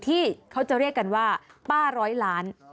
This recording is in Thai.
ที่เขาจะเรียกกันว่าป้าร้อยล้าน